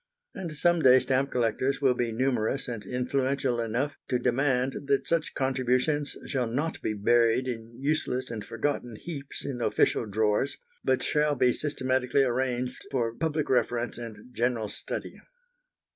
And some day stamp collectors will be numerous and influential enough to demand that such contributions shall not be buried in useless and forgotten heaps in official drawers, but shall be systematically arranged for public reference and general study.